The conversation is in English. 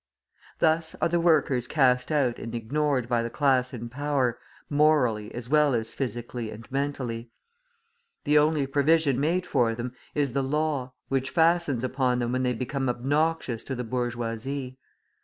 Thus are the workers cast out and ignored by the class in power, morally as well as physically and mentally. The only provision made for them is the law, which fastens upon them when they become obnoxious to the bourgeoisie.